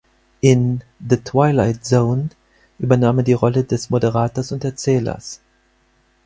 In "The Twilight Zone" übernahm er die Rolle des Moderators und Erzählers.